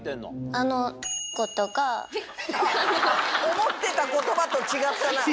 思ってた言葉と違ったな。